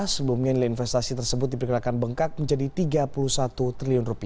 sebelumnya nilai investasi tersebut diperkirakan bengkak menjadi rp tiga puluh satu triliun